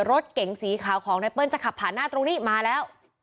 รถเก๋งสีขาวของไนเปิ้ลจะขับผ่านหน้าตรงนี้มาแล้ว